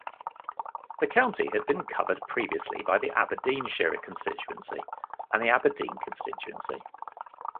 The county had been covered previously by the Aberdeenshire constituency and the Aberdeen constituency.